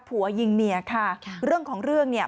ผัวยิงเมียค่ะเรื่องของเรื่องเนี่ย